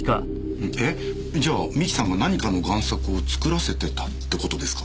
じゃあ三木さんが何かの贋作を作らせてたってことですか？